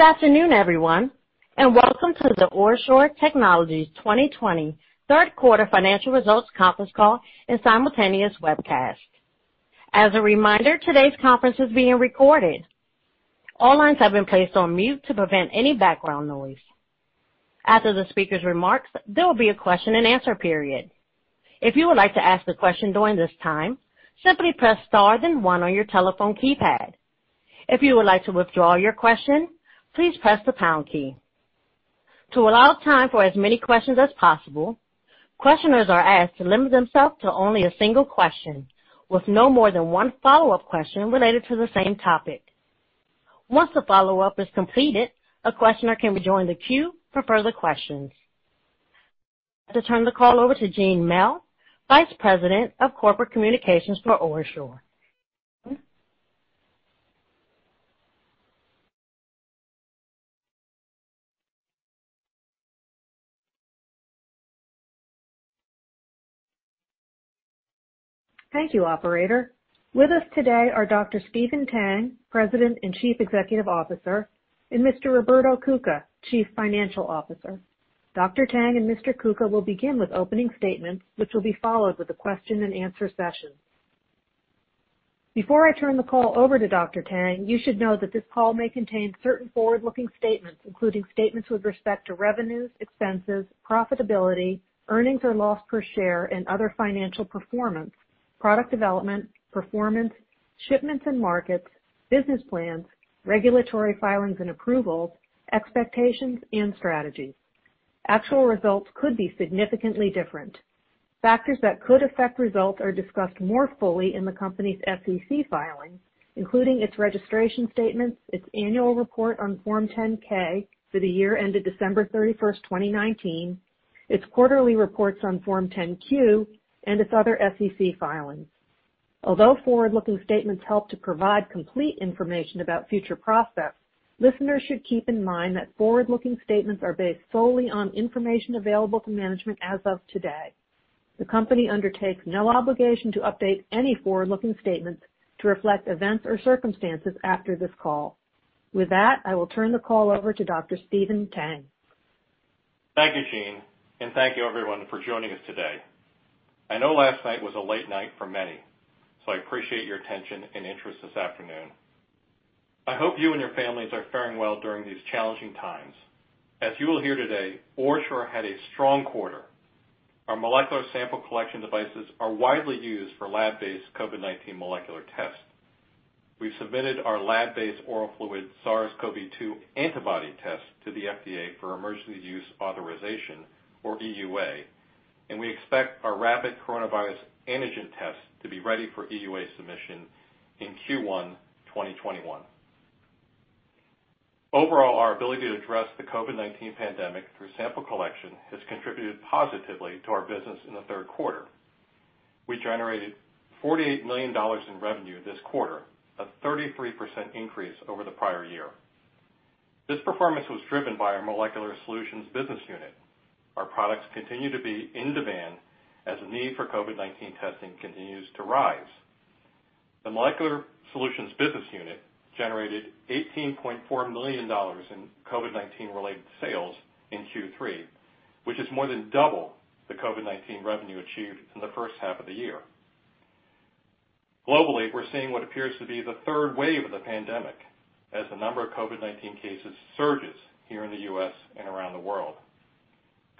Good afternoon everyone and welcome to the Orshore Technologies 2020 Q3 Financial Result Conference Call and simultaneous webcast. As a reminder today's conference is being recorded .All lines have been placed on mute to prevent any background noise. After the speaker's remarks, there will be a question and answer period. If you would like to to ask a question during this this time, simply press 1 on your telephone keypad. If you would like to withdrawal your question, please press the pound key. To allow time for time for as many questions as possible, questioners are asked to limit themselves to only a single question with no more than one follow up question relatedto the same topic. Once the follow up is completed, a questioner can rejoin the queue for further questions. I'd like to turn the call over to Jeanne Mell, Vice President of Corporate Communications for OraSure Technologies Jeanne? Thank you, operator. With us today are Dr. Stephen Tang, President and Chief Executive Officer, and Mr. Roberto Cuca, Chief Financial Officer. Dr. Tang and Mr. Cuca will begin with opening statements, which will be followed with a question and answer session. Before I turn the call over to Dr. Tang, you should know that this call may contain certain forward-looking statements, including statements with respect to revenues, expenses, profitability, earnings or loss per share, and other financial performance, product development, performance, shipments and markets, business plans, regulatory filings and approvals, expectations, and strategies. Actual results could be significantly different. Factors that could affect results are discussed more fully in the company's SEC filings, including its registration statements, its annual report on Form 10-K for the year ended December 31st, 2019, its quarterly reports on Form 10-Q, and its other SEC filings. Although forward-looking statements help to provide complete information about future prospects, listeners should keep in mind that forward-looking statements are based solely on information available to management as of today. The company undertakes no obligation to update any forward-looking statements to reflect events or circumstances after this call. With that, I will turn the call over to Dr. Stephen Tang. Thank you, Jeanne, and thank you everyone for joining us today. I know last night was a late night for many, so I appreciate your attention and interest this afternoon. I hope you and your families are faring well during these challenging times. As you will hear today, OraSure had a strong quarter. Our molecular sample collection devices are widely used for lab-based COVID-19 molecular tests. We've submitted our lab-based oral fluid SARS-CoV-2 antibody test to the FDA for emergency use authorization, or EUA, and we expect our rapid coronavirus antigen test to be ready for EUA submission in Q1 2021. Overall, our ability to address the COVID-19 pandemic through sample collection has contributed positively to our business in the Q3. We generated $48 million in revenue this quarter, a 33% increase over the prior year. This performance was driven by our molecular solutions business unit. Our products continue to be in demand as the need for COVID-19 testing continues to rise. The molecular solutions business unit generated $18.4 million in COVID-19 related sales in Q3, which is more than double the COVID-19 revenue achieved in the first half of the year. Globally, we're seeing what appears to be the third wave of the pandemic as the number of COVID-19 cases surges here in the U.S. and around the world.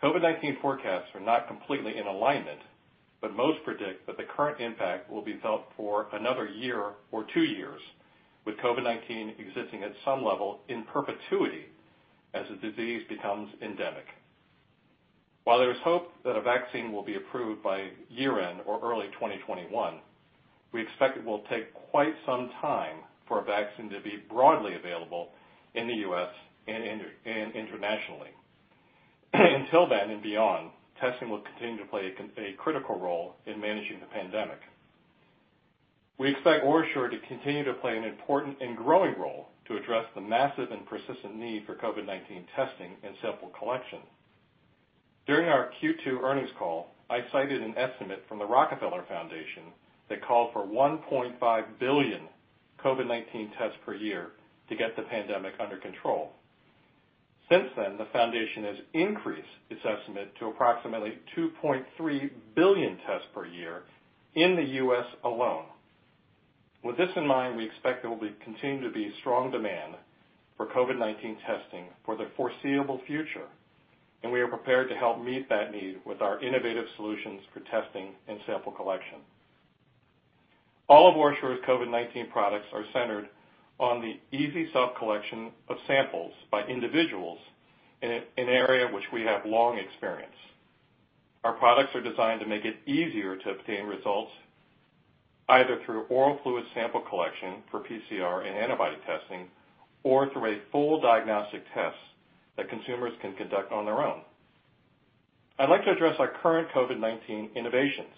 COVID-19 forecasts are not completely in alignment, but most predict that the current impact will be felt for another one year or two years, with COVID-19 existing at some level in perpetuity as the disease becomes endemic. While there's hope that a vaccine will be approved by year-end or early 2021, we expect it will take quite some time for a vaccine to be broadly available in the U.S. and internationally. Until then and beyond, testing will continue to play a critical role in managing the pandemic. We expect OraSure to continue to play an important and growing role to address the massive and persistent need for COVID-19 testing and sample collection. During our Q2 earnings call, I cited an estimate from The Rockefeller Foundation that called for 1.5 billion COVID-19 tests per year to get the pandemic under control. Since then, the foundation has increased its estimate to approximately 2.3 billion tests per year in the U.S. alone. With this in mind, we expect there will continue to be strong demand for COVID-19 testing for the foreseeable future, and we are prepared to help meet that need with our innovative solutions for testing and sample collection. All of OraSure's COVID-19 products are centered on the easy self-collection of samples by individuals in an area which we have long experience. Our products are designed to make it easier to obtain results either through oral fluid sample collection for PCR and antibody testing, or through a full diagnostic test that consumers can conduct on their own. I'd like to address our current COVID-19 innovations,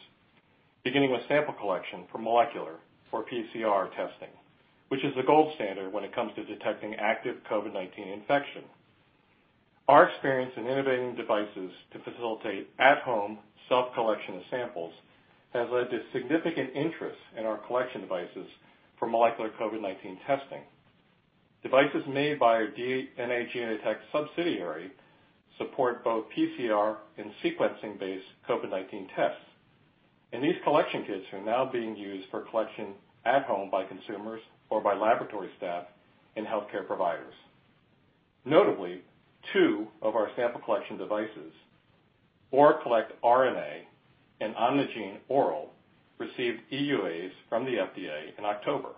beginning with sample collection for molecular for PCR testing, which is the gold standard when it comes to detecting active COVID-19 infection. Our experience in innovating devices to facilitate at-home self-collection of samples has led to significant interest in our collection devices for molecular COVID-19 testing. Devices made by our DNA Genotek subsidiary support both PCR and sequencing-based COVID-19 tests, and these collection kits are now being used for collection at home by consumers or by laboratory staff and healthcare providers. Notably, two of our sample collection devices, ORAcollect·RNA and OMNIgene·ORAL, received EUAs from the FDA in October.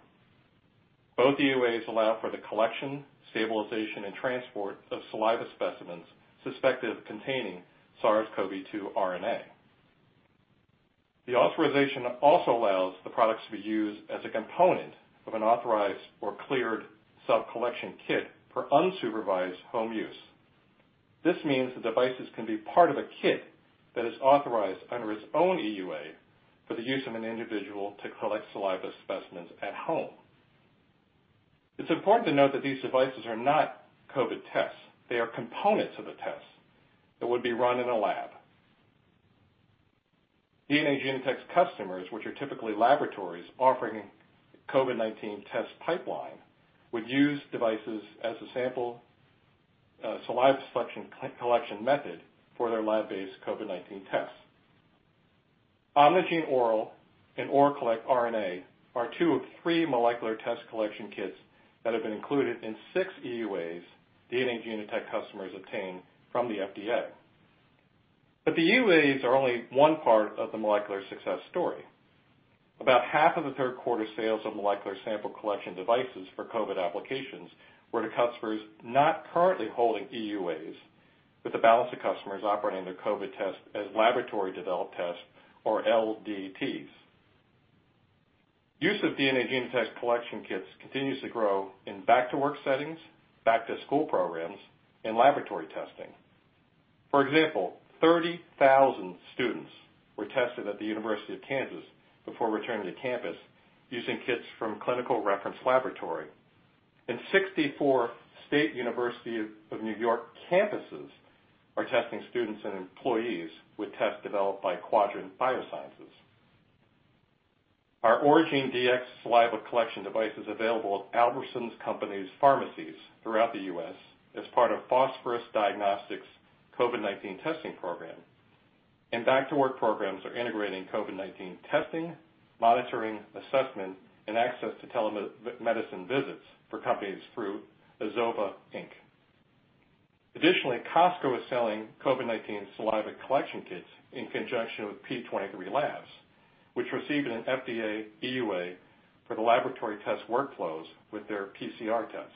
Both EUAs allow for the collection, stabilization, and transport of saliva specimens suspected of containing SARS-CoV-2 RNA. The authorization also allows the products to be used as a component of an authorized or cleared self-collection kit for unsupervised home use. This means the devices can be part of a kit that is authorized under its own EUA for the use of an individual to collect saliva specimens at home. It's important to note that these devices are not COVID tests. They are components of a test that would be run in a lab. DNA Genotek customers, which are typically laboratories offering COVID-19 test pipeline, would use devices as a sample saliva collection method for their lab-based COVID-19 tests. OMNIgene·ORAL and ORAcollect·RNA are two of three molecular test collection kits that have been included in six EUAs DNA Genotek customers obtained from the FDA. The EUAs are only one part of the molecular success story. About half of the Q3 sales of molecular sample collection devices for COVID applications were to customers not currently holding EUAs, with the balance of customers operating their COVID test as laboratory developed tests, or LDTs. Use of DNA Genotek collection kits continues to grow in back-to-work settings, back-to-school programs, and laboratory testing. For example, 30,000 students were tested at the University of Kansas before returning to campus using kits from Clinical Reference Laboratory, and 64 State University of New York campuses are testing students and employees with tests developed by Quadrant Biosciences. Our Oragene·Dx saliva collection device is available at Albertsons Companies pharmacies throughout the U.S. as part of Phosphorus Diagnostics' COVID-19 testing program, and back-to-work programs are integrating COVID-19 testing, monitoring, assessment, and access to telemedicine visits for companies through Azova Inc. Additionally, Costco is selling COVID-19 saliva collection kits in conjunction with P23 Labs, which received an FDA EUA for the laboratory test workflows with their PCR tests.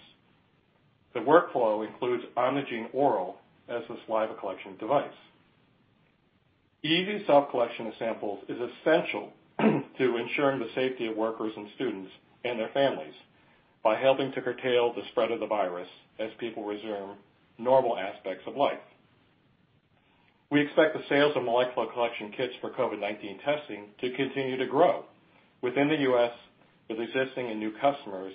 The workflow includes OMNIgene·ORAL as the saliva collection device. Easy self-collection of samples is essential to ensuring the safety of workers and students and their families by helping to curtail the spread of the virus as people resume normal aspects of life. We expect the sales of molecular collection kits for COVID-19 testing to continue to grow within the U.S. with existing and new customers,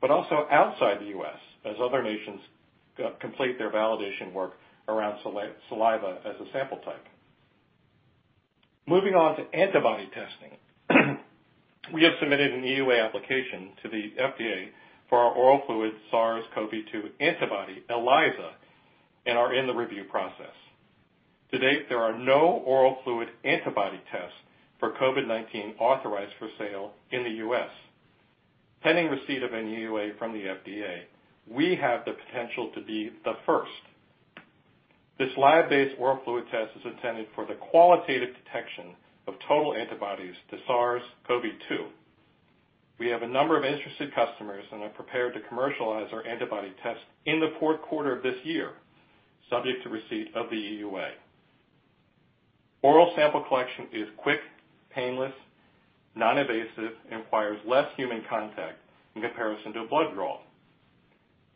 but also outside the U.S. as other nations complete their validation work around saliva as a sample type. Moving on to antibody testing. We have submitted an EUA application to the FDA for our oral fluid SARS-CoV-2 antibody, ELISA, and are in the review process. To date, there are no oral fluid antibody tests for COVID-19 authorized for sale in the U.S. Pending receipt of an EUA from the FDA, we have the potential to be the first. This lab-based oral fluid test is intended for the qualitative detection of total antibodies to SARS-CoV-2. We have a number of interested customers and are prepared to commercialize our antibody test in the Q4 of this year, subject to receipt of the EUA. Oral sample collection is quick, painless, non-invasive, and requires less human contact in comparison to a blood draw,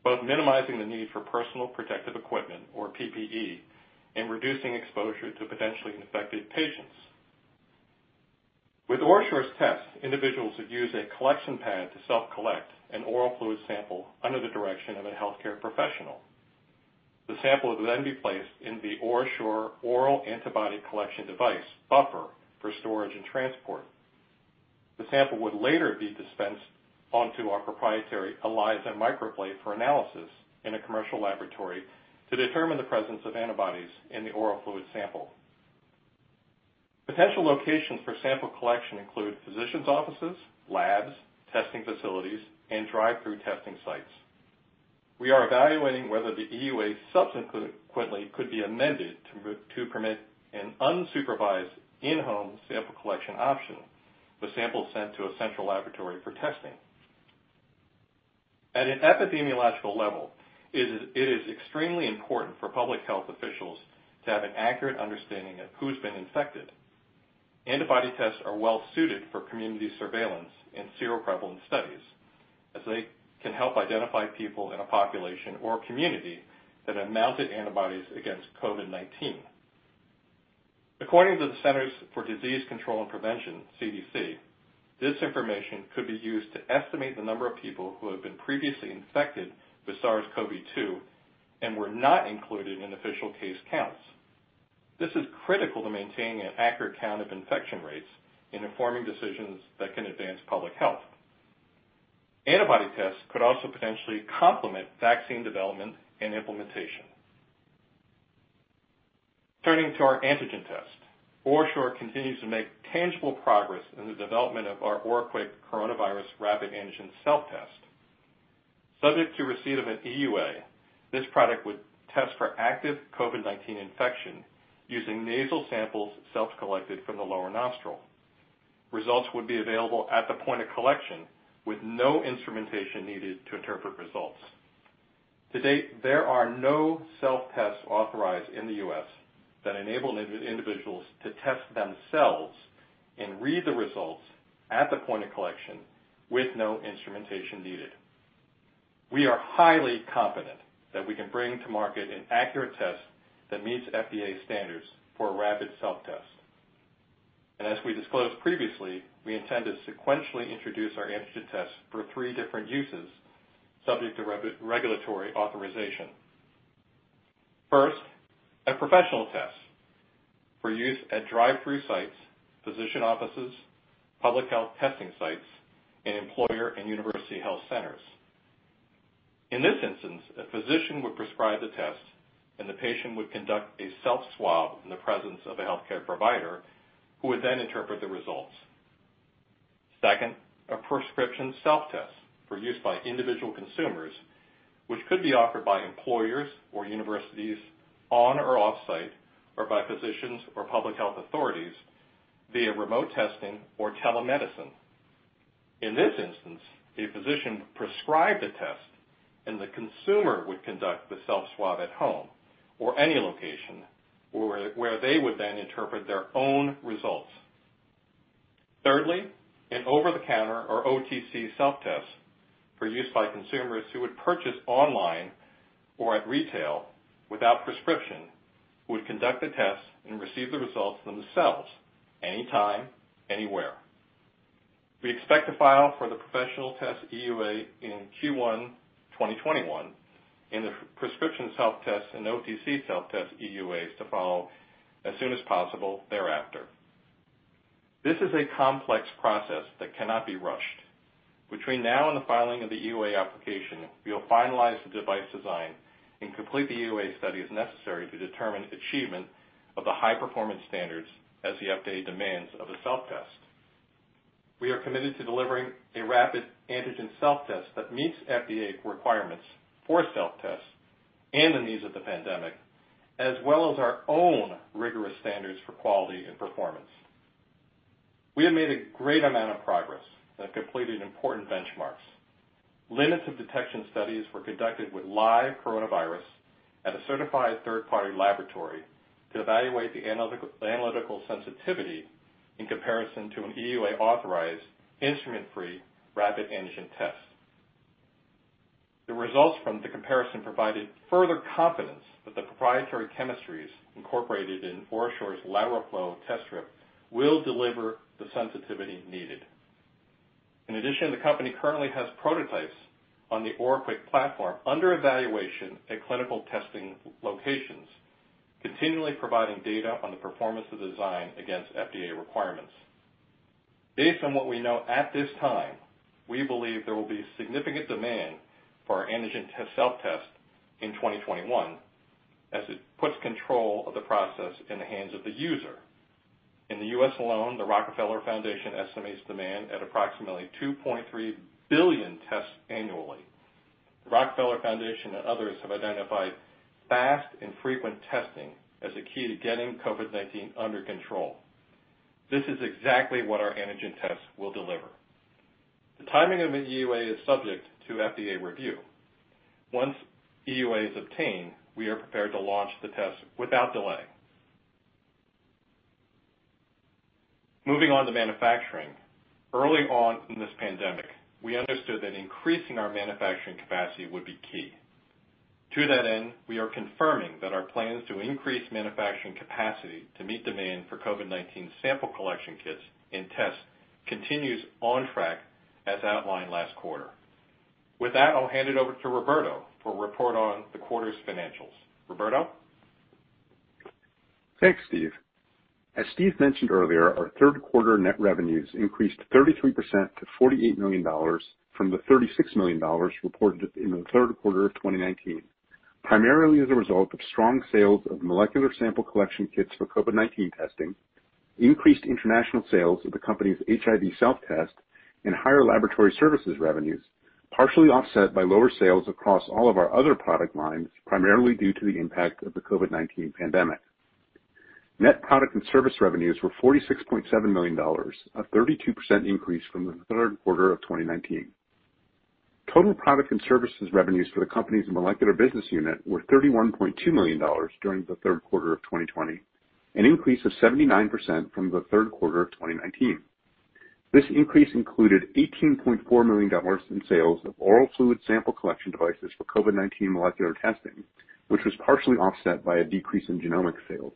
both minimizing the need for personal protective equipment, or PPE, and reducing exposure to potentially infected patients. With OraSure's test, individuals would use a collection pad to self-collect an oral fluid sample under the direction of a healthcare professional. The sample would then be placed in the OraSure oral antibody collection device buffer for storage and transport. The sample would later be dispensed onto our proprietary ELISA microplate for analysis in a commercial laboratory to determine the presence of antibodies in the oral fluid sample. Potential locations for sample collection include physician's offices, labs, testing facilities, and drive-through testing sites. We are evaluating whether the EUA subsequently could be amended to permit an unsupervised in-home sample collection option, with samples sent to a central laboratory for testing. At an epidemiological level, it is extremely important for public health officials to have an accurate understanding of who's been infected. Antibody tests are well suited for community surveillance and seroprevalence studies, as they can help identify people in a population or community that have mounted antibodies against COVID-19. According to the Centers for Disease Control and Prevention, CDC, this information could be used to estimate the number of people who have been previously infected with SARS-CoV-2 and were not included in official case counts. This is critical to maintaining an accurate count of infection rates in informing decisions that can advance public health. Antibody tests could also potentially complement vaccine development and implementation. Turning to our antigen test. OraSure continues to make tangible progress in the development of our OraQuick Coronavirus Rapid Antigen Self-Test. Subject to receipt of an EUA, this product would test for active COVID-19 infection using nasal samples self-collected from the lower nostril. Results would be available at the point of collection with no instrumentation needed to interpret results. To date, there are no self-tests authorized in the U.S. that enable individuals to test themselves and read the results at the point of collection with no instrumentation needed. We are highly confident that we can bring to market an accurate test that meets FDA standards for a rapid self-test. As we disclosed previously, we intend to sequentially introduce our antigen test for three different uses, subject to regulatory authorization. First, a professional test for use at drive-through sites, physician offices, public health testing sites, and employer and university health centers. In this instance, a physician would prescribe the test, and the patient would conduct a self-swab in the presence of a healthcare provider, who would then interpret the results. Second, a prescription self-test for use by individual consumers, which could be offered by employers or universities on or off site, or by physicians or public health authorities via remote testing or telemedicine. In this instance, a physician would prescribe the test, and the consumer would conduct the self-swab at home or any location, where they would then interpret their own results. Thirdly, an over-the-counter or OTC self-test for use by consumers who would purchase online or at retail without prescription, who would conduct the test and receive the results themselves anytime, anywhere. We expect to file for the professional test EUA in Q1 2021, and the prescription self-test and OTC self-test EUAs to follow as soon as possible thereafter. This is a complex process that cannot be rushed. Between now and the filing of the EUA application, we will finalize the device design and complete the EUA studies necessary to determine achievement of the high-performance standards as the FDA demands of a self-test. We are committed to delivering a rapid antigen self-test that meets FDA requirements for self-tests and the needs of the pandemic, as well as our own rigorous standards for quality and performance. We have made a great amount of progress and have completed important benchmarks. Limits of detection studies were conducted with live coronavirus at a certified third-party laboratory to evaluate the analytical sensitivity in comparison to an EUA-authorized instrument-free rapid antigen test. The results from the comparison provided further confidence that the proprietary chemistries incorporated in OraSure's lateral flow test strip will deliver the sensitivity needed. In addition, the company currently has prototypes on the OraQuick platform under evaluation at clinical testing locations, continually providing data on the performance of the design against FDA requirements. Based on what we know at this time, we believe there will be significant demand for our antigen self-test in 2021, as it puts control of the process in the hands of the user. In the U.S. alone, The Rockefeller Foundation estimates demand at approximately 2.3 billion tests annually. The Rockefeller Foundation and others have identified fast and frequent testing as a key to getting COVID-19 under control. This is exactly what our antigen test will deliver. The timing of an EUA is subject to FDA review. Once EUA is obtained, we are prepared to launch the test without delay. Moving on to manufacturing. Early on in this pandemic, we understood that increasing our manufacturing capacity would be key. To that end, we are confirming that our plans to increase manufacturing capacity to meet demand for COVID-19 sample collection kits and tests continues on track as outlined last quarter. With that, I'll hand it over to Roberto for a report on the quarter's financials. Roberto? Thanks, Steve. As Steve mentioned earlier, our Q3 net revenues increased 33% to $48 million from the $36 million reported in the Q3 of 2019, primarily as a result of strong sales of molecular sample collection kits for COVID-19 testing, increased international sales of the company's HIV self-test, and higher laboratory services revenues, partially offset by lower sales across all of our other product lines, primarily due to the impact of the COVID-19 pandemic. Net product and service revenues were $46.7 million, a 32% increase from the Q3 of 2019. Total product and services revenues for the company's molecular business unit were $31.2 million during the Q3 of 2020, an increase of 79% from the Q3 of 2019. This increase included $18.4 million in sales of oral fluid sample collection devices for COVID-19 molecular testing, which was partially offset by a decrease in genomic sales.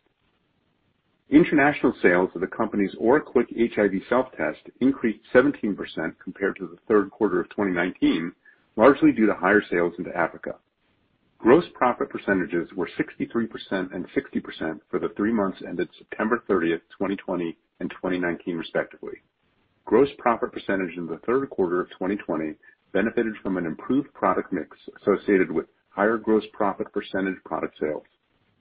International sales of the company's OraQuick HIV Self-Test increased 17% compared to the Q3 of 2019, largely due to higher sales into Africa. Gross profit percentages were 63% and 60% for the three months ended September 30th, 2020 and 2019, respectively. Gross profit percentage in the Q3 of 2020 benefited from an improved product mix associated with higher gross profit percentage product sales.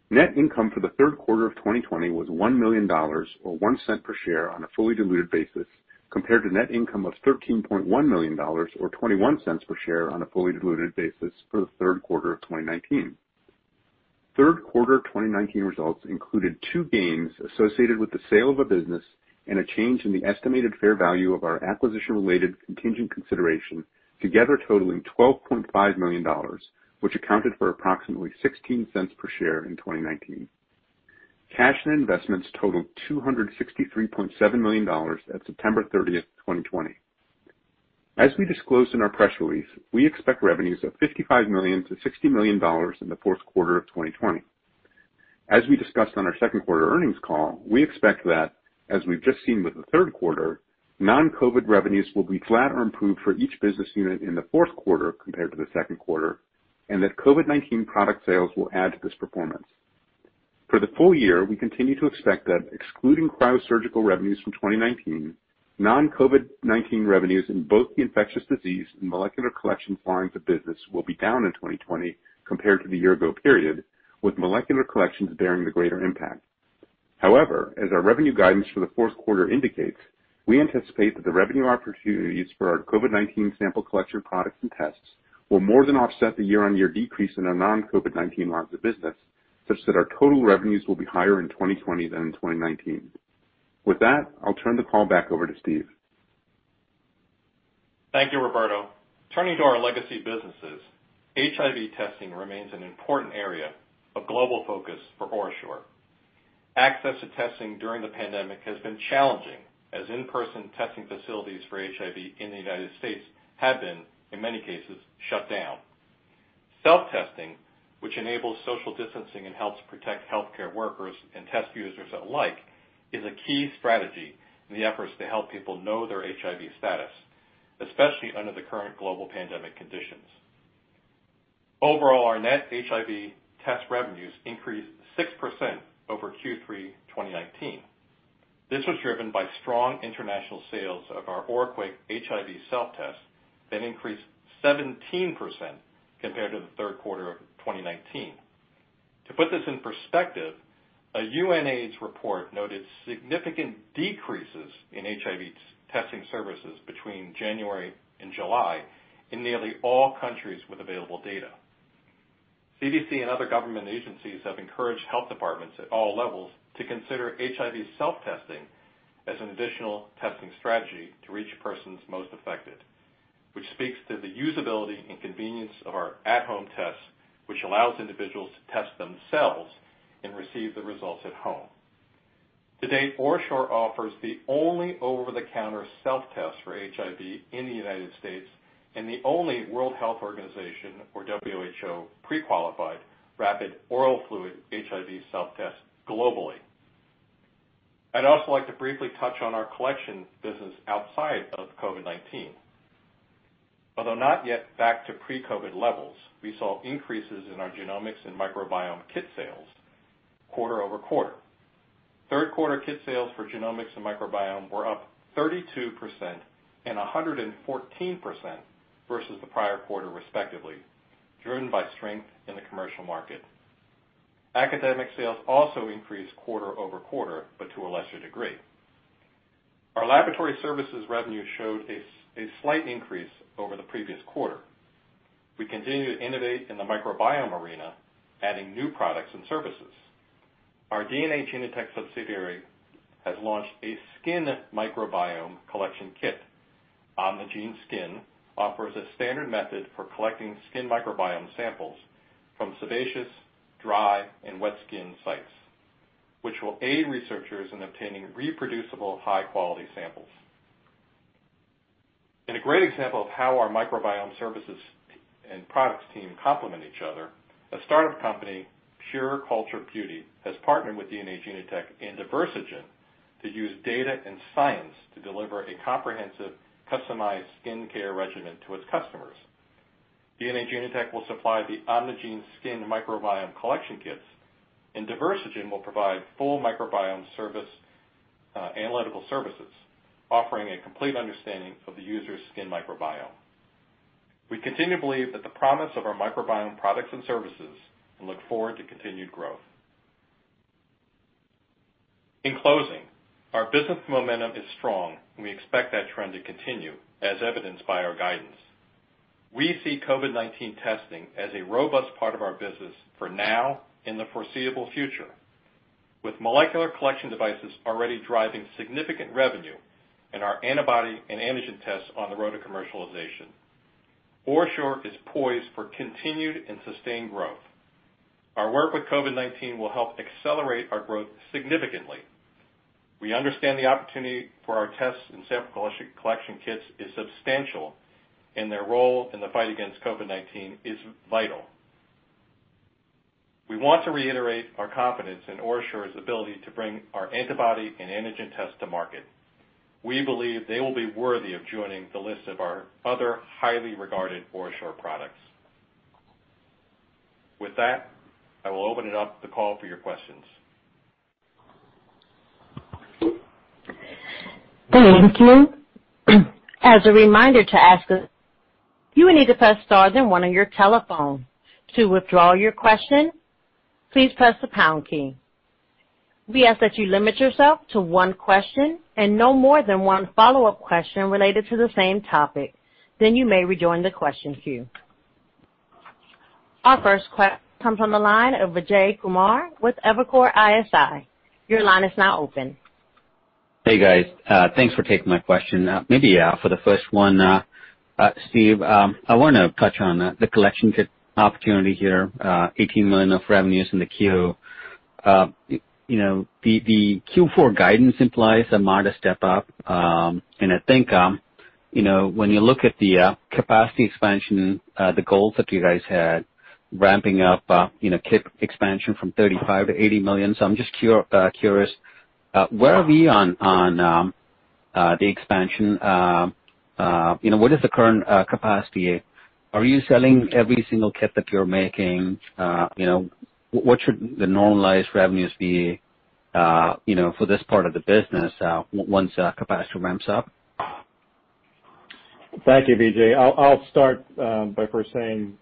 Net income for the Q3 of 2020 was $1 million, or $0.01 per share on a fully diluted basis, compared to net income of $13.1 million or $0.21 per share on a fully diluted basis for the Q3 of 2019. Q3 2019 results included two gains associated with the sale of a business and a change in the estimated fair value of our acquisition-related contingent consideration, together totaling $12.5 million, which accounted for approximately $0.16 per share in 2019. Cash and investments totaled $263.7 million at September 30th, 2020. As we disclosed in our press release, we expect revenues of $55 million-$60 million in the Q4 of 2020. As we discussed on our Q2 earnings call, we expect that, as we've just seen with the Q3, non-COVID revenues will be flat or improved for each business unit in the Q4 compared to the Q2 and that COVID-19 product sales will add to this performance. For the full year, we continue to expect that excluding cryosurgical revenues from 2019, non-COVID-19 revenues in both the infectious disease and molecular collection lines of business will be down in 2020 compared to the year ago period, with molecular collections bearing the greater impact. As our revenue guidance for the Q4 indicates, we anticipate that the revenue opportunities for our COVID-19 sample collection products and tests will more than offset the year-on-year decrease in our non-COVID-19 lines of business, such that our total revenues will be higher in 2020 than in 2019. With that, I'll turn the call back over to Steve. Thank you, Roberto. Turning to our legacy businesses, HIV testing remains an important area of global focus for OraSure. Access to testing during the pandemic has been challenging, as in-person testing facilities for HIV in the U.S. have been, in many cases, shut down. Self-testing, which enables social distancing and helps protect healthcare workers and test users alike, is a key strategy in the efforts to help people know their HIV status, especially under the current global pandemic conditions. Overall, our net HIV test revenues increased 6% over Q3 2019. This was driven by strong international sales of our OraQuick HIV self-test that increased 17% compared to the Q3 of 2019. To put this in perspective, a UNAIDS report noted significant decreases in HIV testing services between January and July in nearly all countries with available data. CDC and other government agencies have encouraged health departments at all levels to consider HIV self-testing as an additional testing strategy to reach persons most affected, which speaks to the usability and convenience of our at-home tests, which allows individuals to test themselves and receive the results at home. To date, OraSure offers the only over-the-counter self-test for HIV in the U.S. and the only World Health Organization, or WHO, pre-qualified rapid oral fluid HIV self-test globally. I'd also like to briefly touch on our collection business outside of COVID-19. Although not yet back to pre-COVID levels, we saw increases in our genomics and microbiome kit sales quarter-over-quarter. Q3 kit sales for genomics and microbiome were up 32% and 114% versus the prior quarter, respectively, driven by strength in the commercial market. Academic sales also increased quarter-over-quarter, but to a lesser degree. Our laboratory services revenue showed a slight increase over the previous quarter. We continue to innovate in the microbiome arena, adding new products and services. Our DNA Genotek subsidiary has launched a skin microbiome collection kit. OMNIgene·SKIN offers a standard method for collecting skin microbiome samples from sebaceous, dry, and wet skin sites, which will aid researchers in obtaining reproducible, high-quality samples. In a great example of how our microbiome services and products team complement each other, a startup company, Pure Culture Beauty, has partnered with DNA Genotek and Diversigen to use data and science to deliver a comprehensive, customized skincare regimen to its customers. DNA Genotek will supply the OMNIgene·SKIN microbiome collection kits, and Diversigen will provide full microbiome analytical services, offering a complete understanding of the user's skin microbiome. We continue to believe that the promise of our microbiome products and services and look forward to continued growth. In closing, our business momentum is strong, and we expect that trend to continue as evidenced by our guidance. We see COVID-19 testing as a robust part of our business for now in the foreseeable future. With molecular collection devices already driving significant revenue and our antibody and antigen tests on the road to commercialization, OraSure is poised for continued and sustained growth. Our work with COVID-19 will help accelerate our growth significantly. We understand the opportunity for our tests and sample collection kits is substantial, and their role in the fight against COVID-19 is vital. We want to reiterate our confidence in OraSure's ability to bring our antibody and antigen tests to market. We believe they will be worthy of joining the list of our other highly regarded OraSure products. With that, I will open it up the call for your questions. Thank you. As a reminder to ask, you will need to press star then one on your telephone. To withdraw your question, please press the pound key. We ask that you limit yourself to one question and no more than one follow-up question related to the same topic. You may rejoin the question queue. Our first que- comes from the line of Vijay Kumar with Evercore ISI. Your line is now open. Hey, guys. Thanks for taking my question. For the first one, Steve, I want to touch on the collection kit opportunity here, $18 million of revenues in the Q. The Q4 guidance implies a modest step up. I think, when you look at the capacity expansion, the goals that you guys had ramping up kit expansion from 35 to 80 million. I'm just curious, where are we on the expansion? What is the current capacity? Are you selling every single kit that you're making? What should the normalized revenues be for this part of the business once capacity ramps up? Thank you, Vijay. I'll start by first saying,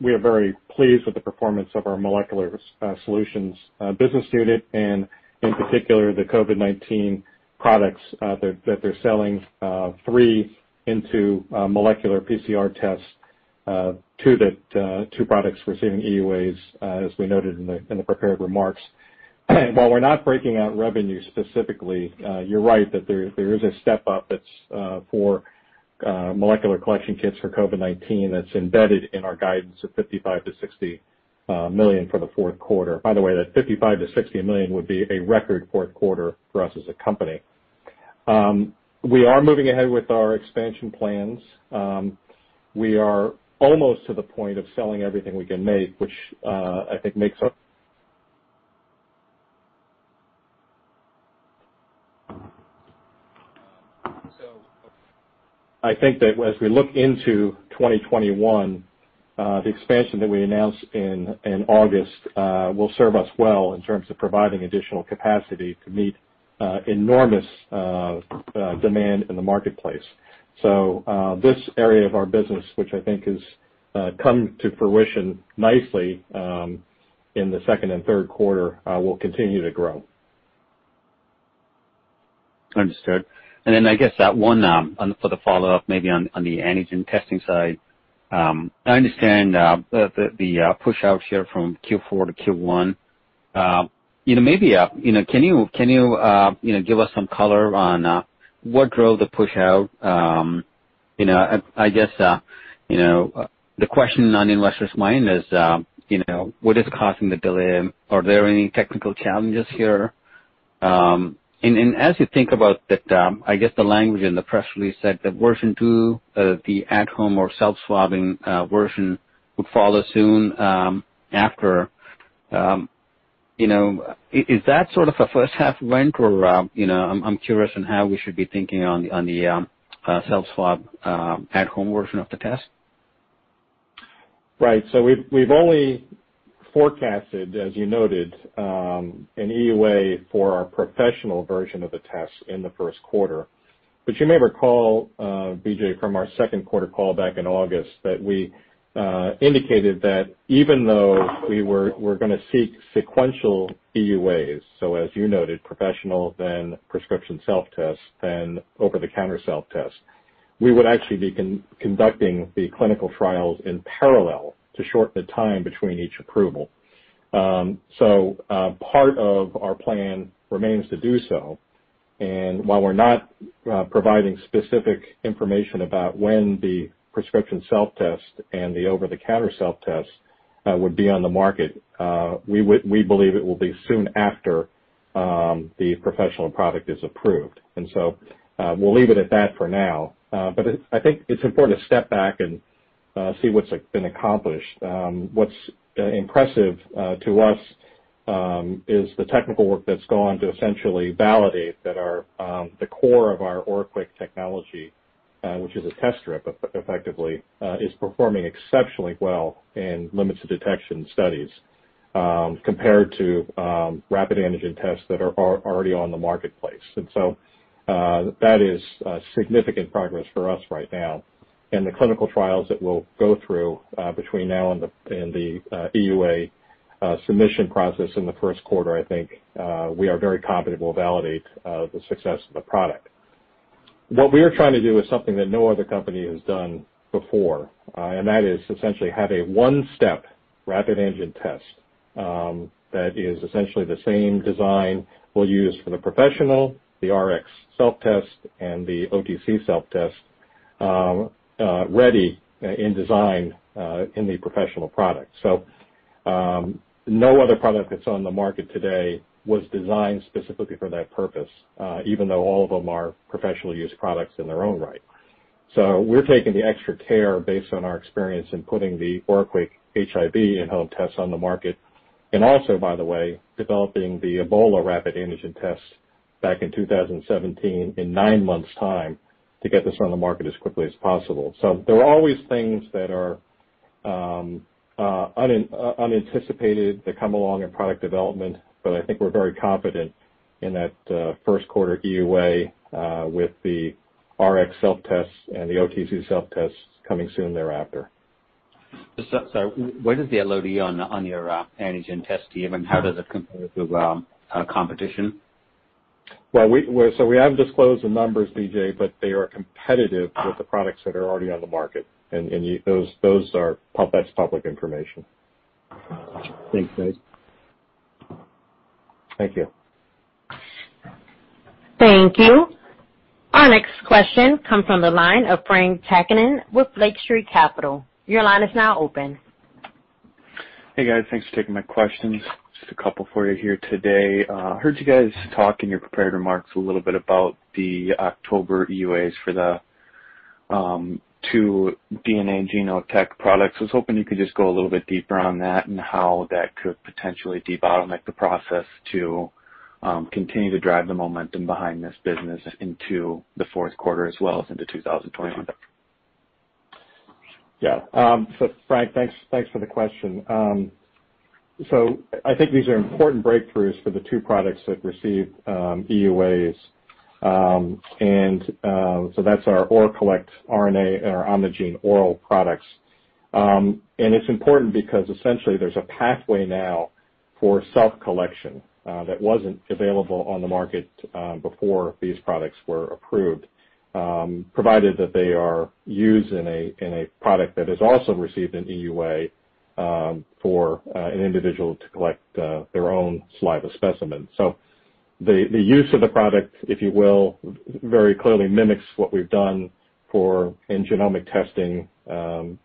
we are very pleased with the performance of our molecular solutions business unit, and in particular, the COVID-19 products that they're selling, three into molecular PCR tests, two products receiving EUAs, as we noted in the prepared remarks. While we're not breaking out revenue specifically, you're right that there is a step-up that's for molecular collection kits for COVID-19 that's embedded in our guidance of $55 million-$60 million for the Q4. By the way, that $55 million-$60 million would be a record Q4 for us as a company. We are moving ahead with our expansion plans. We are almost to the point of selling everything we can make. I think that as we look into 2021, the expansion that we announced in August will serve us well in terms of providing additional capacity to meet enormous demand in the marketplace. This area of our business, which I think has come to fruition nicely in the Q2 and Q3, will continue to grow. Understood. I guess that one for the follow-up maybe on the antigen testing side. I understand the pushout here from Q4 to Q1. Can you give us some color on what drove the pushout? I guess, the question on investors' mind is what is causing the delay? Are there any technical challenges here? As you think about the, I guess, the language in the press release said that version 2, the at-home or self-swabbing version would follow soon after. Is that sort of a first half event or I'm curious on how we should be thinking on the self-swab at-home version of the test. Right. We've only forecasted, as you noted, an EUA for our professional version of the test in the Q1. You may recall, Vijay, from our Q2 call back in August that we indicated that even though we're going to seek sequential EUAs, as you noted, professional, then prescription self-test, then over-the-counter self-test. We would actually be conducting the clinical trials in parallel to shorten the time between each approval. Part of our plan remains to do so, and while we're not providing specific information about when the prescription self-test and the over-the-counter self-test will be on the market, we believe it will be soon after the professional product is approved. We'll leave it at that for now. I think it's important to step back and see what's been accomplished. What's impressive to us is the technical work that's gone to essentially validate that the core of our OraQuick technology, which is a test strip effectively, is performing exceptionally well in limits of detection studies compared to rapid antigen tests that are already on the marketplace. That is significant progress for us right now. The clinical trials that we'll go through between now and the EUA submission process in the Q1, I think we are very confident will validate the success of the product. What we are trying to do is something that no other company has done before, and that is essentially have a one-step rapid antigen test that is essentially the same design we'll use for the professional, the RX self-test, and the OTC self-test already in design in the professional product. No other product that's on the market today was designed specifically for that purpose, even though all of them are professional-use products in their own right. We're taking the extra care based on our experience in putting the OraQuick HIV Self-Test on the market, and also, by the way, developing the Ebola rapid antigen test back in 2017 in nine months' time to get this on the market as quickly as possible. There are always things that are unanticipated that come along in product development, but I think we're very confident in that Q1 EUA with the RX self-tests and the OTC self-tests coming soon thereafter. What is the LOD on your antigen test, Steve, and how does it compare to competition? Well, we haven't disclosed the numbers, Vijay, they are competitive with the products that are already on the market. That's public information. Thanks, Dave. Thank you. Thank you. Our next question comes from the line of Frank Takkinen with Lake Street Capital. Your line is now open. Hey, guys. Thanks for taking my questions. Just a couple for you here today. Heard you guys talk in your prepared remarks a little bit about the October EUAs for the two DNA Genotek products. I was hoping you could just go a little bit deeper on that and how that could potentially debottleneck the process to continue to drive the momentum behind this business into the Q4, as well as into 2021. Frank, thanks for the question. I think these are important breakthroughs for the two products that received EUAs. That's our ORAcollect·RNA and our OMNIgene·ORAL products. It's important because essentially there's a pathway now for self collection that wasn't available on the market before these products were approved, provided that they are used in a product that has also received an EUA for an individual to collect their own saliva specimen. The use of the product, if you will, very clearly mimics what we've done in genomic testing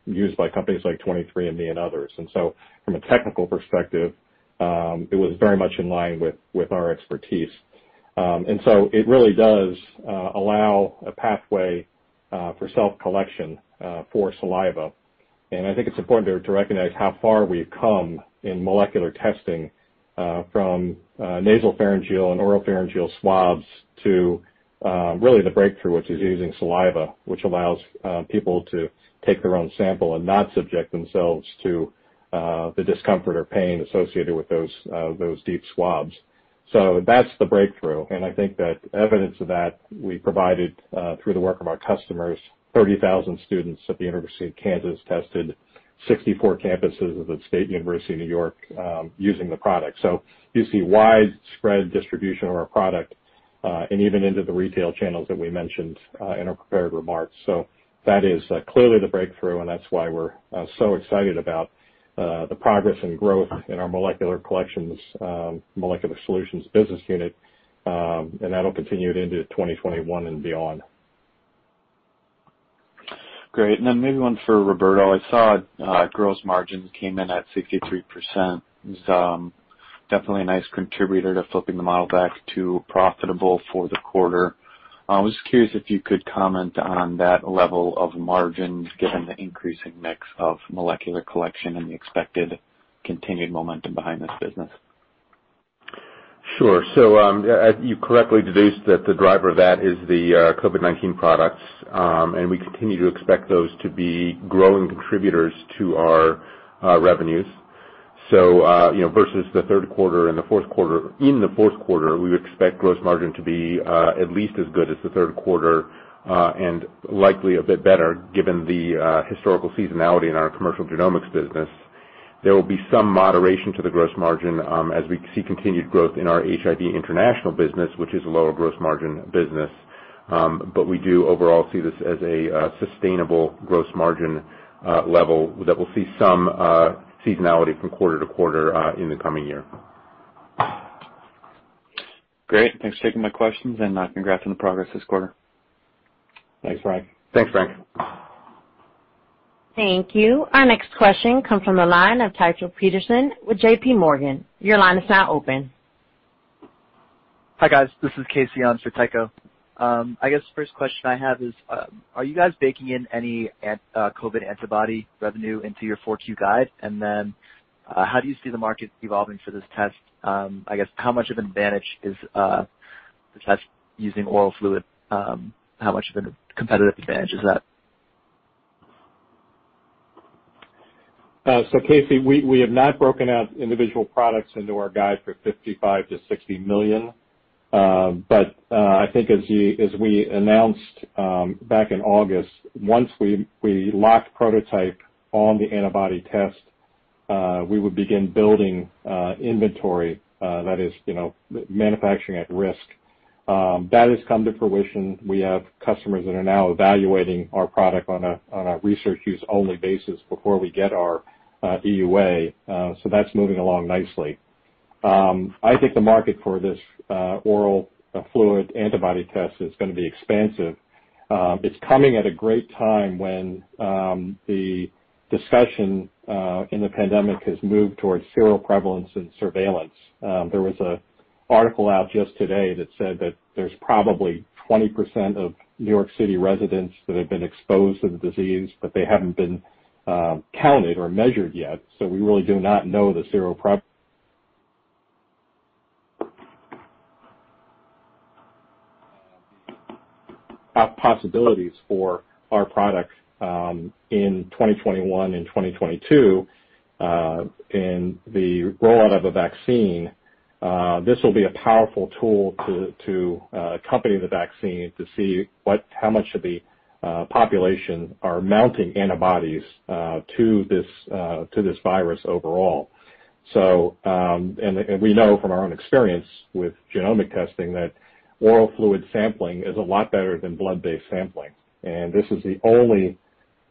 used by companies like 23andMe and others. From a technical perspective, it was very much in line with our expertise. It really does allow a pathway for self collection for saliva, and I think it's important to recognize how far we've come in molecular testing from nasopharyngeal and oropharyngeal swabs to really the breakthrough, which is using saliva, which allows people to take their own sample and not subject themselves to the discomfort or pain associated with those deep swabs. That's the breakthrough, and I think that evidence of that we provided through the work of our customers, 30,000 students at the University of Kansas tested 64 campuses of the State University of New York using the product. You see widespread distribution of our product and even into the retail channels that we mentioned in our prepared remarks. That is clearly the breakthrough and that's why we're so excited about the progress and growth in our molecular collections, molecular solutions business unit, and that'll continue into 2021 and beyond. Great. Maybe one for Roberto. I saw gross margins came in at 53%. It was definitely a nice contributor to flipping the model back to profitable for the quarter. I was just curious if you could comment on that level of margins given the increasing mix of molecular collection and the expected continued momentum behind this business. Sure. You correctly deduced that the driver of that is the COVID-19 products, and we continue to expect those to be growing contributors to our revenues. Versus the Q3 and the Q4, in the Q4, we would expect gross margin to be at least as good as the Q3, and likely a bit better given the historical seasonality in our commercial genomics business. There will be some moderation to the gross margin as we see continued growth in our HIV international business, which is a lower gross margin business. We do overall see this as a sustainable gross margin level that will see some seasonality from quarter-to-quarter in the coming year. Great. Thanks for taking my questions, and congrats on the progress this quarter. Thanks, Frank. Thanks, Frank. Thank you. Our next question comes from the line of Tycho Peterson with J.P. Morgan. Your line is now open. Hi, guys. This is Casey on for Tycho. I guess the first question I have is, are you guys baking in any COVID antibody revenue into your 4-Q guide? How do you see the market evolving for this test? I guess how much of an advantage is the test using oral fluid, how much of a competitive advantage is that? Casey, we have not broken out individual products into our guide for $55 million to $60 million. I think as we announced back in August, once we locked prototype on the antibody test, we would begin building inventory, that is manufacturing at risk. That has come to fruition. We have customers that are now evaluating our product on a research use only basis before we get our EUA. That's moving along nicely. I think the market for this oral fluid antibody test is going to be expansive. It's coming at a great time when the discussion in the pandemic has moved towards seroprevalence and surveillance. There was an article out just today that said that there's probably 20% of New York City residents that have been exposed to the disease, but they haven't been counted or measured yet, so we really do not know the seroprevalence. Possibilities for our products in 2021 and 2022, in the rollout of a vaccine, this will be a powerful tool to accompany the vaccine to see how much of the population are mounting antibodies to this virus overall. We know from our own experience with genomic testing that oral fluid sampling is a lot better than blood-based sampling, and this is the only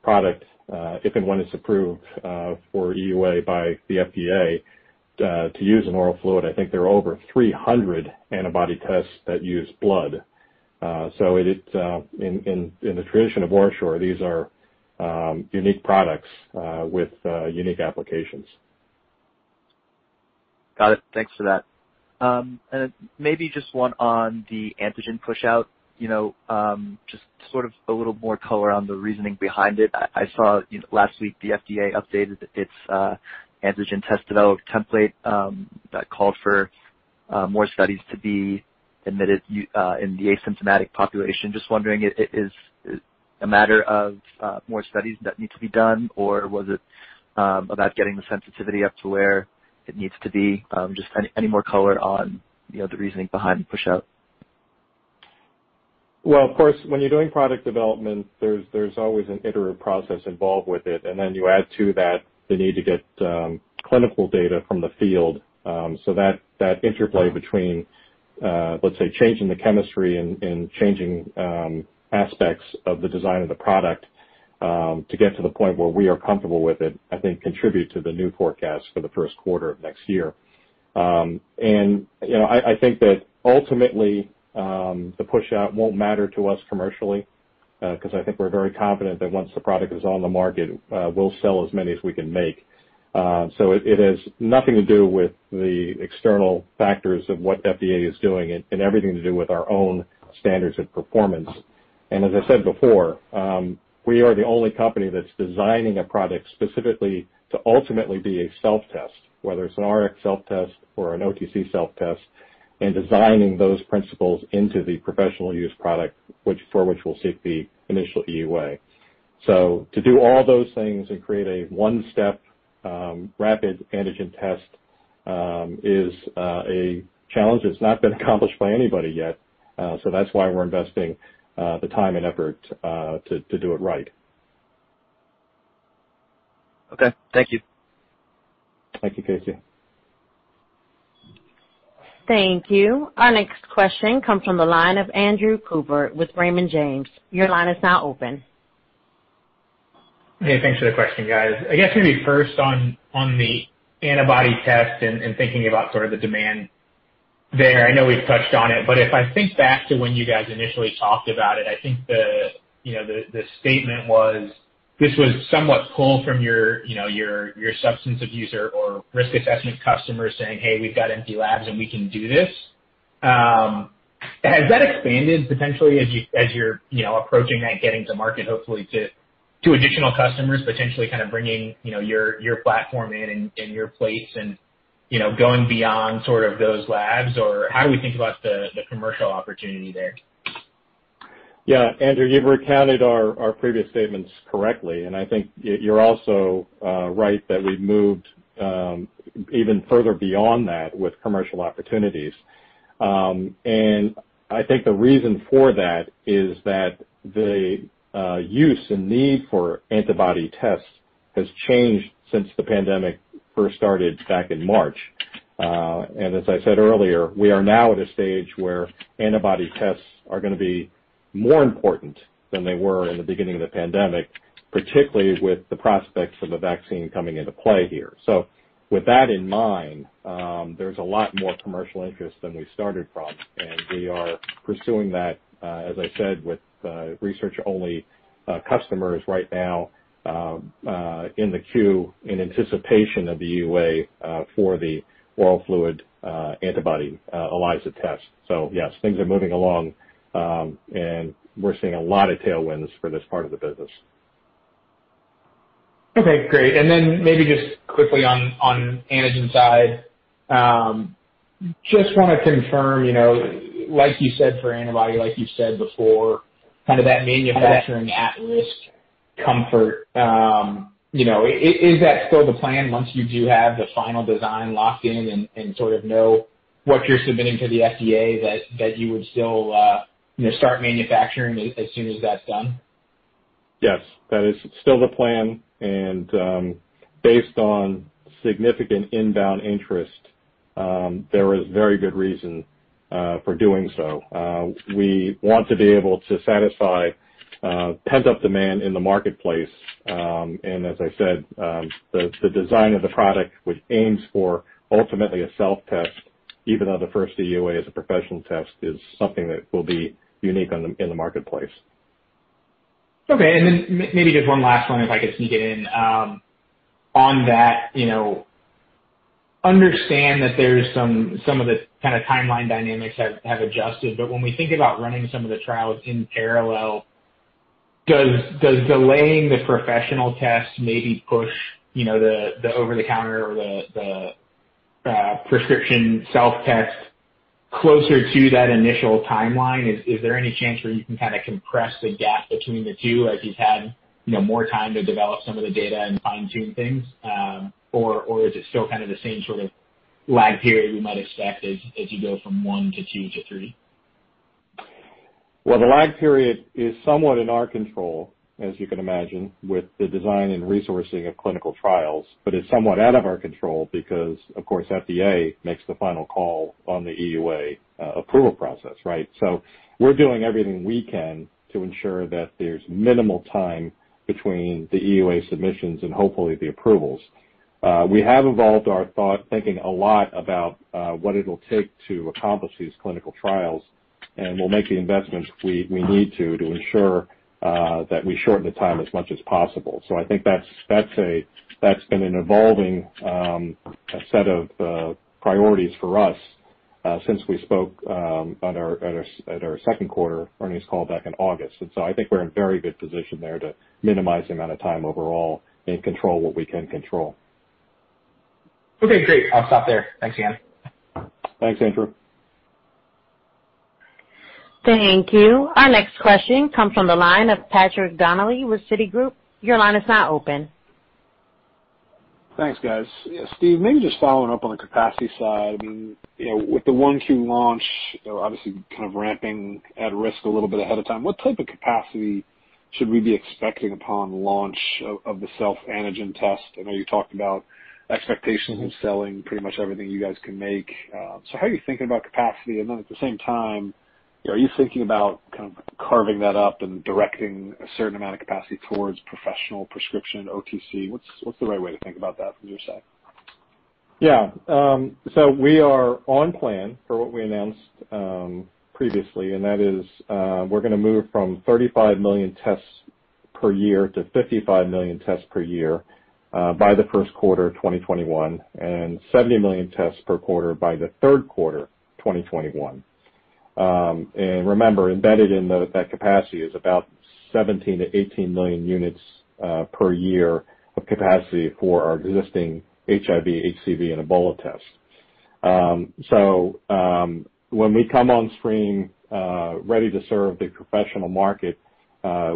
product, if and when it's approved for EUA by the FDA, to use an oral fluid. I think there are over 300 antibody tests that use blood. In the tradition of OraSure, these are unique products with unique applications. Got it. Thanks for that. Maybe just one on the antigen push-out. Just sort of a little more color on the reasoning behind it. I saw last week the FDA updated its antigen test development template that called for more studies to be admitted in the asymptomatic population. Just wondering, is it a matter of more studies that need to be done, or was it about getting the sensitivity up to where it needs to be? Just any more color on the reasoning behind the push-out. Well, of course, when you're doing product development, there's always an iterative process involved with it, and then you add to that the need to get clinical data from the field. That interplay between, let's say, changing the chemistry and changing aspects of the design of the product to get to the point where we are comfortable with it, I think contributes to the new forecast for the Q1 of next year. I think that ultimately, the push-out won't matter to us commercially, because I think we're very confident that once the product is on the market, we'll sell as many as we can make. It has nothing to do with the external factors of what FDA is doing and everything to do with our own standards of performance. As I said before, we are the only company that's designing a product specifically to ultimately be a self-test, whether it's an RX self-test or an OTC self-test, and designing those principles into the professional use product, for which we'll seek the initial EUA. To do all those things and create a one-step rapid antigen test is a challenge that's not been accomplished by anybody yet. That's why we're investing the time and effort to do it right. Okay. Thank you. Thank you, Casey. Thank you. Our next question comes from the line of Andrew Cooper with Raymond James. Your line is now open. Hey, thanks for the question, guys. I guess maybe first on the antibody test and thinking about sort of the demand there, I know we've touched on it, but if I think back to when you guys initially talked about it, I think the statement was this was somewhat pulled from your substance abuse or risk assessment customers saying, "Hey, we've got empty labs and we can do this." Has that expanded potentially as you're approaching that getting to market, hopefully to additional customers, potentially kind of bringing your platform in and your place and going beyond sort of those labs? How do we think about the commercial opportunity there? Yeah. Andrew, you've recounted our previous statements correctly, and I think you're also right that we've moved even further beyond that with commercial opportunities. I think the reason for that is that the use and need for antibody tests has changed since the pandemic first started back in March. As I said earlier, we are now at a stage where antibody tests are going to be more important than they were in the beginning of the pandemic, particularly with the prospects of a vaccine coming into play here. With that in mind, there's a lot more commercial interest than we started from, and we are pursuing that, as I said, with research-only customers right now in the queue in anticipation of the EUA for the oral fluid antibody ELISA test. Yes, things are moving along, and we're seeing a lot of tailwinds for this part of the business. Okay, great. Maybe just quickly on antigen side, just want to confirm, like you said, for antibody, like you said before, kind of that manufacturing at-risk comfort. Is that still the plan once you do have the final design locked in and sort of know what you're submitting to the FDA that you would still start manufacturing as soon as that's done? Yes. That is still the plan. Based on significant inbound interest, there is very good reason for doing so. We want to be able to satisfy pent-up demand in the marketplace. As I said, the design of the product, which aims for ultimately a self-test, even though the first EUA is a professional test, is something that will be unique in the marketplace. Okay. Maybe just one last one if I could sneak it in. On that, Understand that there's some of the kind of timeline dynamics have adjusted. When we think about running some of the trials in parallel, does delaying the professional test maybe push the over-the-counter or the prescription self-test closer to that initial timeline? Is there any chance where you can kind of compress the gap between the two as you've had more time to develop some of the data and fine-tune things? Is it still kind of the same sort of lag period we might expect as you go from one to two to three? Well, the lag period is somewhat in our control, as you can imagine, with the design and resourcing of clinical trials, but it's somewhat out of our control because, of course, FDA makes the final call on the EUA approval process, right? We're doing everything we can to ensure that there's minimal time between the EUA submissions and hopefully the approvals. We have evolved our thinking a lot about what it'll take to accomplish these clinical trials, and we'll make the investments we need to ensure that we shorten the time as much as possible. I think that's been an evolving set of priorities for us since we spoke at our Q2 earnings call back in August. I think we're in very good position there to minimize the amount of time overall and control what we can control. Okay, great. I'll stop there. Thanks again. Thanks, Andrew. Thank you. Our next question comes from the line of Patrick Donnelly with Citigroup. Your line is now open. Thanks, guys. Steve, maybe just following up on the capacity side. With the 1Q launch, obviously kind of ramping at risk a little bit ahead of time, what type of capacity should we be expecting upon launch of the self-antigen test? I know you talked about expectations of selling pretty much everything you guys can make. How are you thinking about capacity, and then at the same time, are you thinking about kind of carving that up and directing a certain amount of capacity towards professional prescription OTC? What's the right way to think about that from your side? We are on plan for what we announced previously, and that is we're going to move from 35 million tests per year to 55 million tests per year by the Q1 of 2021, and 70 million tests per quarter by the Q3 2021. Remember, embedded in that capacity is about 17-18 million units per year of capacity for our existing HIV, HCV, and Ebola tests. When we come on stream ready to serve the professional market,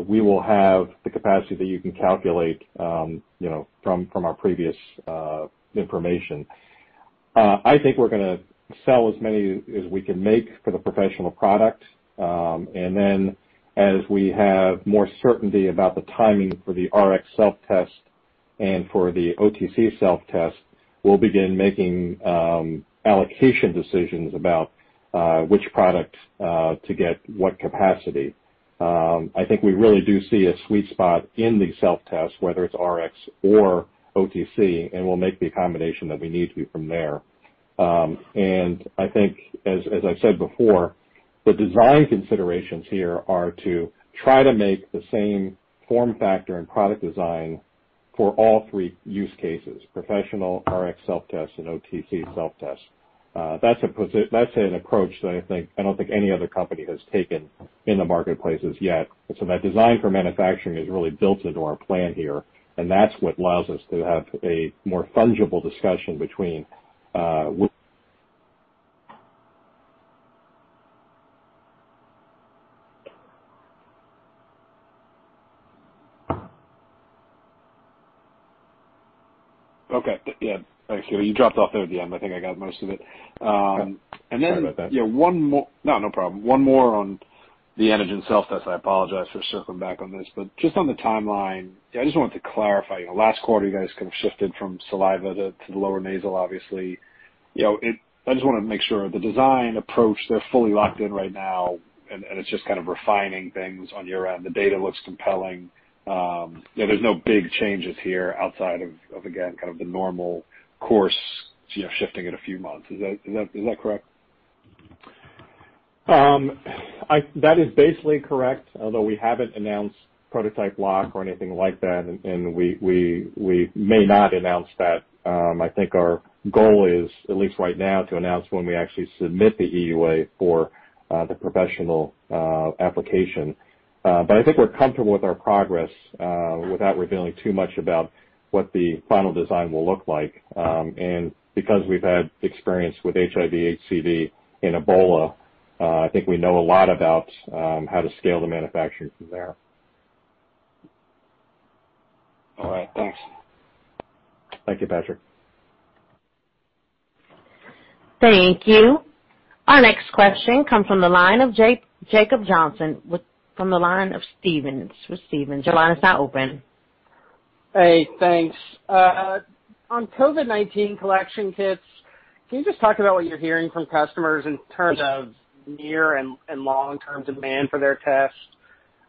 we will have the capacity that you can calculate from our previous information. I think we're going to sell as many as we can make for the professional product. As we have more certainty about the timing for the RX self-test and for the OTC self-test, we'll begin making allocation decisions about which products to get what capacity. I think we really do see a sweet spot in the self-test, whether it's RX or OTC, and we'll make the accommodation that we need to from there. I think, as I said before, the design considerations here are to try to make the same form factor and product design for all three use cases, professional, RX self-test, and OTC self-test. That's an approach that I don't think any other company has taken in the marketplaces yet. That design for manufacturing is really built into our plan here, and that's what allows us to have a more fungible discussion between- Okay. Yeah. Thank you. You dropped off there at the end. I think I got most of it. Sorry about that. No, no problem. One more on the antigen self-test. I apologize for circling back on this, but just on the timeline, I just wanted to clarify. Last quarter, you guys kind of shifted from saliva to the lower nasal, obviously. I just want to make sure the design approach, they're fully locked in right now, and it's just kind of refining things on your end. The data looks compelling. There's no big changes here outside of, again, kind of the normal course shifting in a few months. Is that correct? That is basically correct, although we haven't announced prototype lock or anything like that, and we may not announce that. I think our goal is, at least right now, to announce when we actually submit the EUA for the professional application. I think we're comfortable with our progress without revealing too much about what the final design will look like. Because we've had experience with HIV, HCV, and Ebola, I think we know a lot about how to scale the manufacturing from there. All right. Thanks. Thank you, Patrick. Thank you. Our next question comes from the line of Jacob Johnson with Stephens. Your line is now open. Hey, thanks. On COVID-19 collection kits, can you just talk about what you're hearing from customers in terms of near and long-term demand for their tests?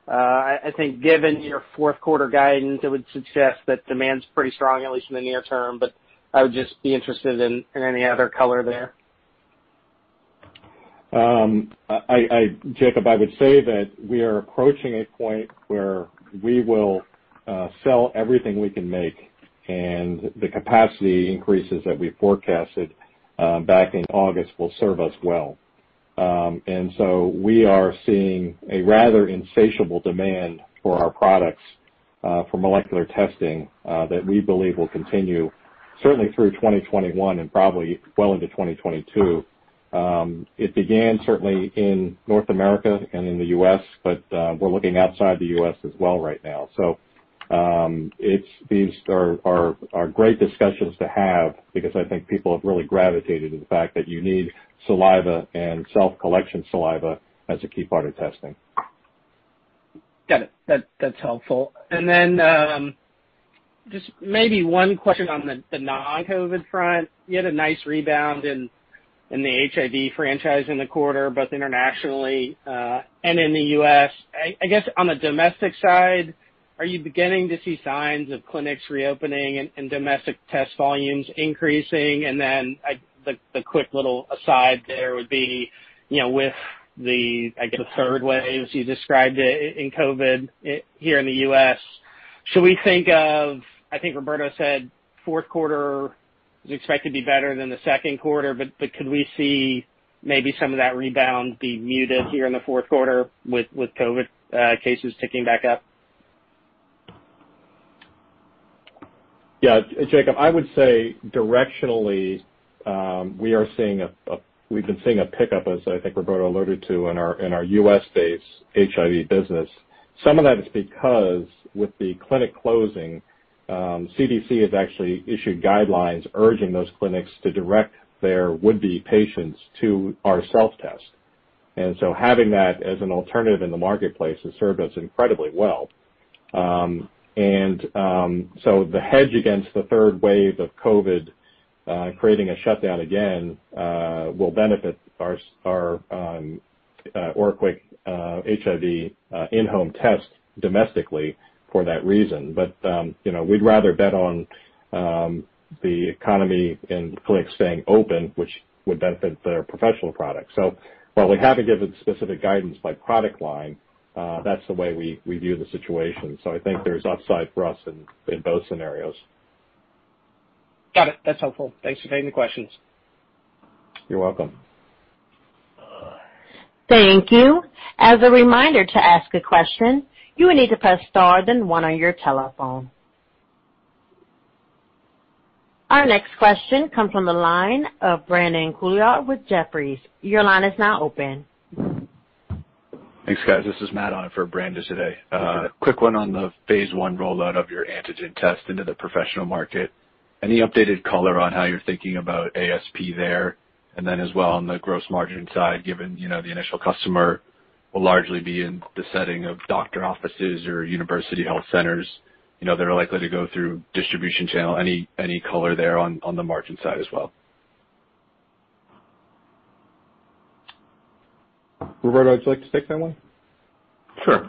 I think given your Q4 guidance, it would suggest that demand's pretty strong, at least in the near term, but I would just be interested in any other color there. Jacob, I would say that we are approaching a point where we will sell everything we can make, and the capacity increases that we forecasted back in August will serve us well. We are seeing a rather insatiable demand for our products for molecular testing, that we believe will continue certainly through 2021 and probably well into 2022. It began certainly in North America and in the U.S., but we're looking outside the U.S. as well right now. These are great discussions to have because I think people have really gravitated to the fact that you need saliva and self-collection saliva as a key part of testing. Got it. That's helpful. Just maybe one question on the non-COVID front, you had a nice rebound in the HIV franchise in the quarter, both internationally and in the U.S. I guess on the domestic side, are you beginning to see signs of clinics reopening and domestic test volumes increasing? The quick little aside there would be, with the, I guess, third wave, as you described it, in COVID here in the U.S., should we think of, I think Roberto said Q4 is expected to be better than the Q2, but could we see maybe some of that rebound be muted here in the Q4 with COVID cases ticking back up? Yeah. Jacob, I would say directionally, we've been seeing a pickup, as I think Roberto alluded to, in our U.S.-based HIV business. Some of that is because with the clinic closing, CDC has actually issued guidelines urging those clinics to direct their would-be patients to our self-test. Having that as an alternative in the marketplace has served us incredibly well. The hedge against the third wave of COVID creating a shutdown again will benefit our OraQuick HIV Self-Test domestically for that reason. We'd rather bet on the economy and clinics staying open, which would benefit the professional product. While we haven't given specific guidance by product line, that's the way we view the situation. I think there's upside for us in both scenarios. Got it. That's helpful. Thanks for taking the questions. You're welcome. Thank you. As a reminder to ask a question, you will need to press star then one on your telephone. Our next question comes from the line of Brandon Couillard with Jefferies. Your line is now open. Thanks, guys. This is Matt on for Brandon today. Hey, Matt. A quick one on the phase I rollout of your antigen test into the professional market. Any updated color on how you're thinking about ASP there? As well on the gross margin side, given the initial customer will largely be in the setting of doctor offices or university health centers that are likely to go through distribution channel. Any color there on the margin side as well? Roberto, would you like to take that one? Sure.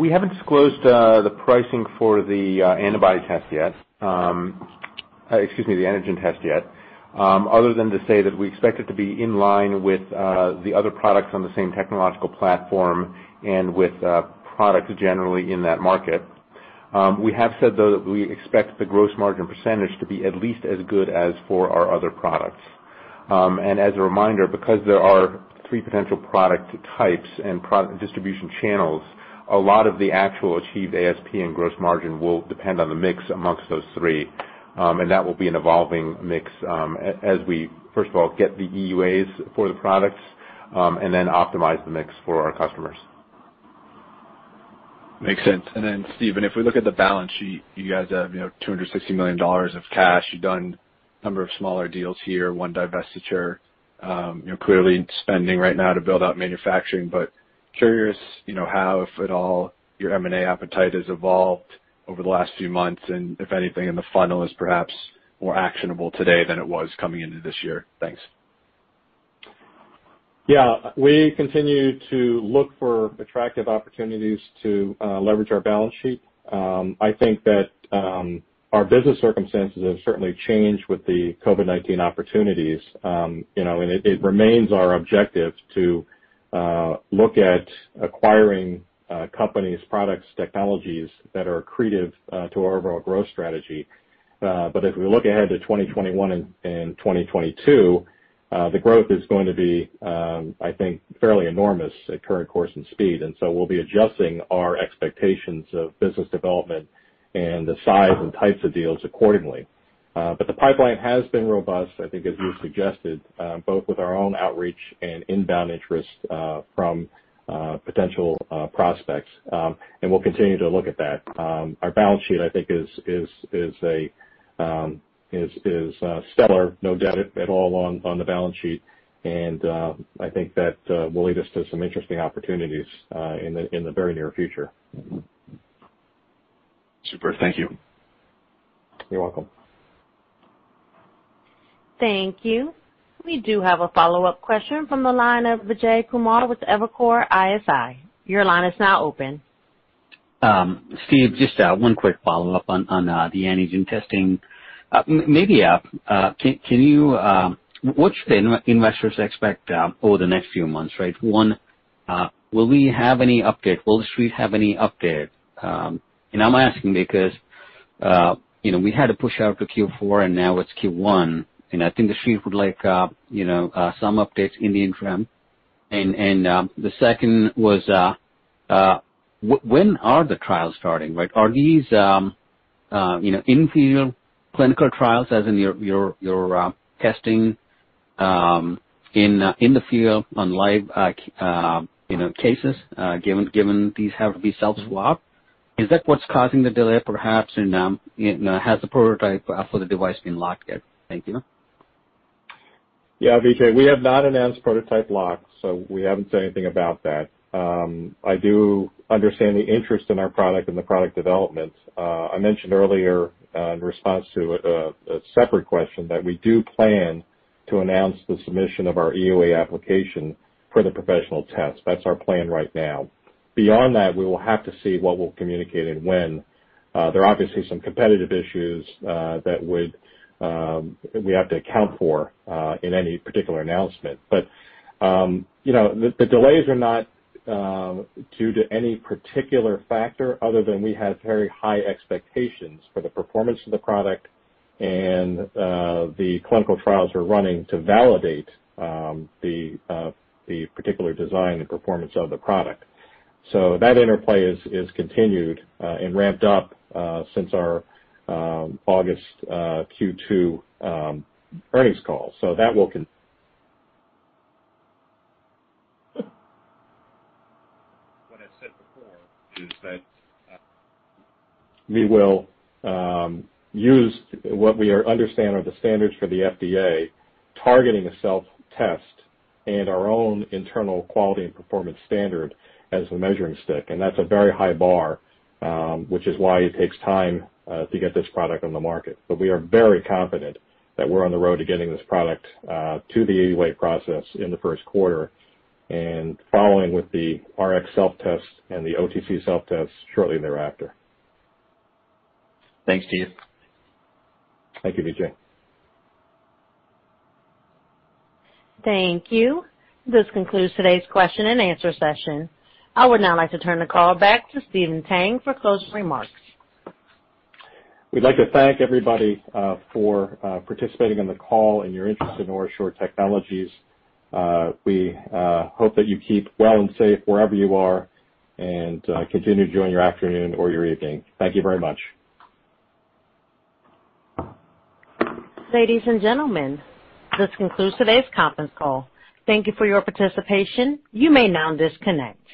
We haven't disclosed the pricing for the antibody test yet. Excuse me, the antigen test yet, other than to say that we expect it to be in line with the other products on the same technological platform and with products generally in that market. We have said, though, that we expect the gross margin percentage to be at least as good as for our other products. As a reminder, because there are three potential product types and distribution channels, a lot of the actual achieved ASP and gross margin will depend on the mix amongst those three, and that will be an evolving mix as we, first of all, get the EUAs for the products, and then optimize the mix for our customers. Makes sense. Stephen, if we look at the balance sheet, you guys have $260 million of cash. You've done a number of smaller deals here, one divestiture. Clearly spending right now to build out manufacturing, but curious how, if at all, your M&A appetite has evolved over the last few months, and if anything in the funnel is perhaps more actionable today than it was coming into this year. Thanks. Yeah. We continue to look for attractive opportunities to leverage our balance sheet. I think that our business circumstances have certainly changed with the COVID-19 opportunities. It remains our objective to look at acquiring companies, products, technologies that are accretive to our overall growth strategy. If we look ahead to 2021 and 2022, the growth is going to be, I think, fairly enormous at current course and speed. We'll be adjusting our expectations of business development and the size and types of deals accordingly. The pipeline has been robust, I think, as you suggested, both with our own outreach and inbound interest from potential prospects. We'll continue to look at that. Our balance sheet, I think, is stellar, no doubt at all on the balance sheet, and I think that will lead us to some interesting opportunities in the very near future. Super. Thank you. You're welcome. Thank you. We do have a follow-up question from the line of Vijay Kumar with Evercore ISI. Your line is now open. Steve, just one quick follow-up on the antigen testing. What should investors expect over the next few months, right? One, will we have any update? Will the Street have any update? I'm asking because we had a push out to Q4, and now it's Q1, and I think the Street would like some updates in the interim. The second was, when are the trials starting, right? Are these in-field clinical trials, as in your testing in the field on live cases, given these have to be self-swabbed? Is that what's causing the delay, perhaps, and has the prototype for the device been locked yet? Thank you. Vijay, we have not announced prototype lock, so we haven't said anything about that. I do understand the interest in our product and the product development. I mentioned earlier in response to a separate question that we do plan to announce the submission of our EUA application for the professional test. That's our plan right now. Beyond that, we will have to see what we'll communicate and when. There are obviously some competitive issues that we have to account for in any particular announcement. The delays are not due to any particular factor other than we have very high expectations for the performance of the product and the clinical trials we're running to validate the particular design and performance of the product. That interplay has continued and ramped up since our August Q2 earnings call. What I said before is that we will use what we understand are the standards for the FDA, targeting a self-test and our own internal quality and performance standard as the measuring stick, and that's a very high bar, which is why it takes time to get this product on the market. We are very confident that we're on the road to getting this product to the EUA process in the Q1 and following with the RX self-test and the OTC self-test shortly thereafter. Thanks, Steve. Thank you, Vijay. Thank you. This concludes today's question and answer session. I would now like to turn the call back to Stephen Tang for closing remarks. We'd like to thank everybody for participating on the call and your interest in OraSure Technologies. We hope that you keep well and safe wherever you are, and continue enjoying your afternoon or your evening. Thank you very much. Ladies and gentlemen, this concludes today's conference call. Thank you for your participation. You may now disconnect.